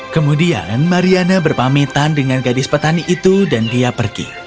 kemudian mariana berpamitan dengan gadis petani itu dan dia pergi